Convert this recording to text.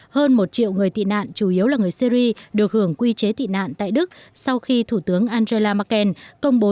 hơn một triệu người tị nạn chủ yếu là người syri được hưởng quy chế tị nạn tại đức sau khi thủ tướng angela merkel công bố